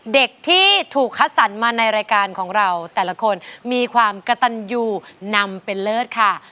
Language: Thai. เด็กที่ถูกคัดสรรมาในรายการของเราแต่ละคนมีความกระตันยูนำเป็นเลิศค่ะ